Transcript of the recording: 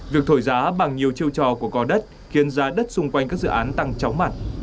việc thổi giá bằng nhiều chiêu trò của cò đất khiến giá đất xung quanh các dự án tăng chóng mặt